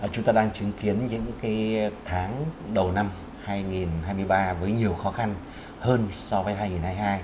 chúng ta đang chứng kiến những tháng đầu năm hai nghìn hai mươi ba với nhiều khó khăn hơn so với hai nghìn hai mươi hai